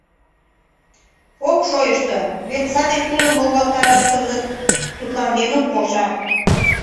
Ок шойышто, вет саде тулым волгалтараш кызыт тудлан Ленук полша...